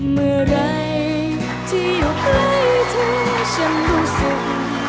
เมื่อไหร่ที่อยู่ใกล้ที่ฉันรู้สึก